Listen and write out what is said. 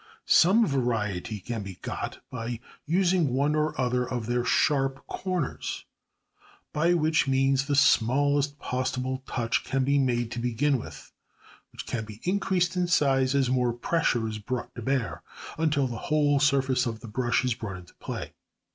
Some variety can be got by using one or other of their sharp corners, by which means the smallest possible touch can be made to begin with, which can be increased in size as more pressure is brought to bear, until the whole surface of the brush is brought into play.